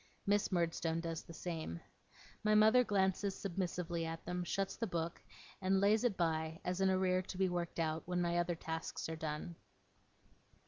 Miss Murdstone does the same. My mother glances submissively at them, shuts the book, and lays it by as an arrear to be worked out when my other tasks are done.